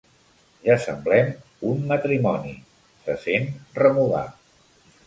Ja semblem un matrimoni —se sent remugar.